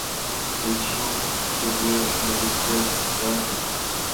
Většinou obsazuje bazické substráty.